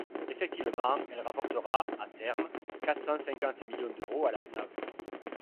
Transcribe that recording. Effectivement, elle rapportera, à terme, quatre cent cinquante millions d’euros à la CNAV.